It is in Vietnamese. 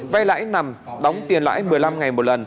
vay lãi nằm đóng tiền lãi một mươi năm ngày một lần